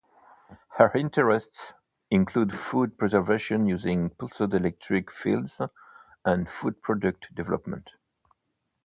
Her interests include food preservation using pulsed electric fields and food product development.